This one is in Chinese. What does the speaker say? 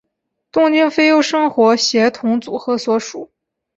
东京俳优生活协同组合所属。